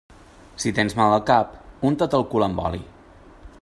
Si tens mal al cap, unta't el cul amb oli.